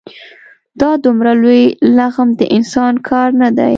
دا دومره لوی لغم د انسان کار نه دی.